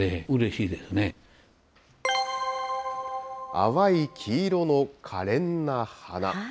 淡い黄色のかれんな花。